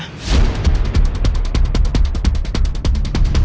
saya selalu berbicara sama bidan siti